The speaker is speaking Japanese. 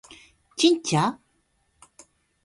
ちんちゃ？